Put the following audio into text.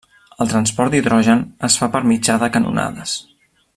El transport d'hidrogen es fa per mitjà de canonades.